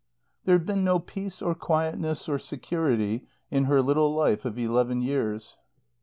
There had been no peace or quietness or security in her little life of eleven years.